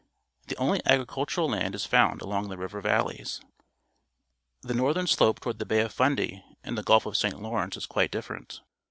The only agricultural land is found along the river valleys. JThe northern slope toward the Bay of Fundy and the Gulf of St. Lawrence is quite different.